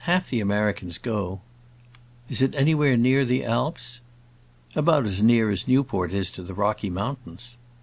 Half the Americans go." "Is it anywhere near the Alps?" "About as near as Newport is to the Rocky Mountains."